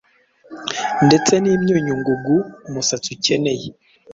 ndetse n’imyunyu ngugu umusatsi ukeneye